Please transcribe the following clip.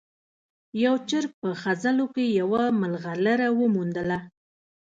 یو چرګ په خځلو کې یوه ملغلره وموندله.